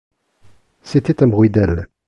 C’était un bruit d’ailes.